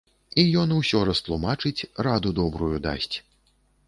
І ён усё растлумачыць, раду добрую дасць.